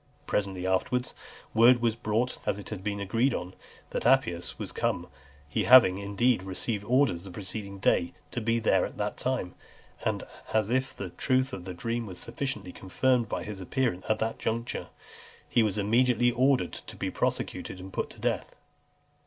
Presently afterwards, word was brought, as it had been agreed on, that Appius was come, he having, indeed, received orders the preceding day to be there at that time; and, as if the truth of the dream was sufficiently confirmed by his appearance at that juncture, he was immediately ordered to be prosecuted and put to death.